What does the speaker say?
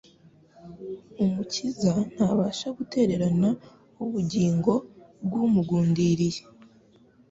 Umukiza ntabasha gutererana ubugingo bw’umugundiriye